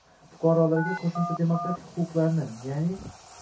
fuqarolarga qo‘shimcha demokratik huquqlarni ya’ni